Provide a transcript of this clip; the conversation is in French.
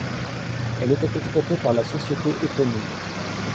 Elle était exploitée par la société éponyme.